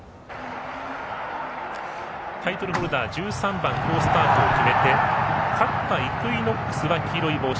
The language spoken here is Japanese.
タイトルホルダー、１３番好スタートを決めて勝ったイクイノックスは黄色い帽子。